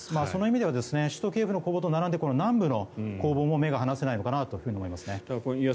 その意味では首都キエフの攻防と並んで南部の攻防も目が離せないのかなと思います。